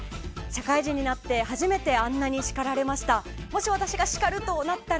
社会人になって初めてあんなに叱られました。